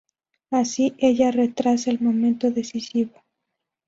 Así, ella retrasa el momento decisivo.